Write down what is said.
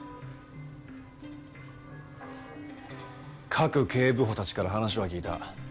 賀来警部補たちから話は聞いた。